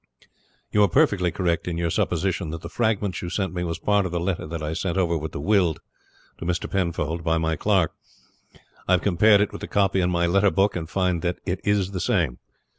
You are perfectly correct in your supposition that the fragment you sent me was part of the letter that I sent over with the will to Mr. Penfold by my clerk. I have compared it with the copy in my letter book, and find that it is the same.